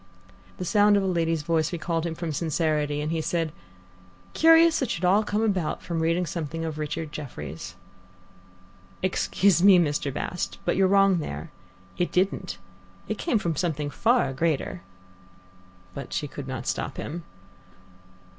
The sound of a lady's voice recalled him from sincerity, and he said: "Curious it should all come about from reading something of Richard Jefferies." "Excuse me, Mr. Bast, but you're wrong there. It didn't. It came from something far greater." But she could not stop him.